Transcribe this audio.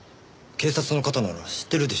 警察の方なら知ってるでしょ。